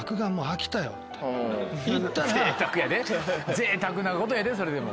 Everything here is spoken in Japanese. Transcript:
ぜいたくなことやでそれでも。